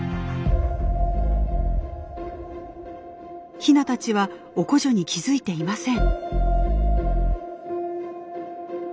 ヒナたちはオコジョに気付いていません。